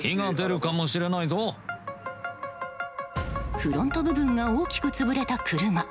フロント部分が大きく潰れた車。